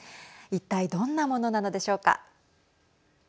一体どんなものなのでしょうか。